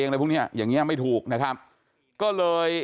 มาได้มาเยี่ยมญาติเยี่ยมโยน